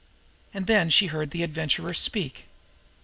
And then she heard the Adventurer speak.